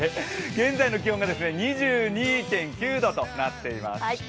現在の気温が２２．９度となっています。